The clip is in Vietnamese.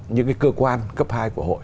những cái cơ quan cấp hai của hội